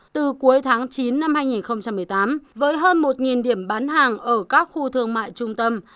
từ cuối tháng chín năm hai nghìn một mươi tám với hơn một điểm bán hàng ở các khu thương mại trung tâm